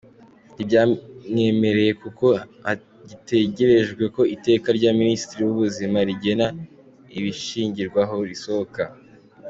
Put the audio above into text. ntibyamwemerewe kuko hagitegerejwe ko iteka rya Minisitiri w’Ubuzima rigena ibishingirwaho risohoka.